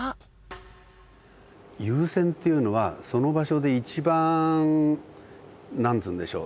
優占っていうのはその場所で一番何て言うんでしょう